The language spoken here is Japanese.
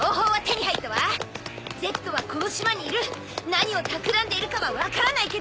何をたくらんでいるかは分からないけど。